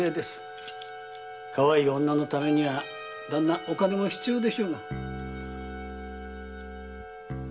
かわいい女のためにはお金も必要でしょう。